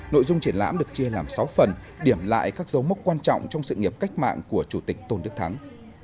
nội dung triển lãm được chia làm sáu phần điểm lại các dấu mốc quan trọng trong sự nghiệp cách mạng của chủ tịch tôn đức thắng